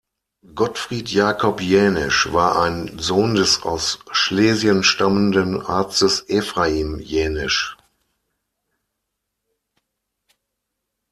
Gottfried Jacob Jänisch war ein Sohn des aus Schlesien stammenden Arztes Ephraim Jänisch.